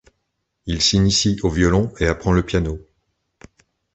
Il s’initie au violon et apprend le piano.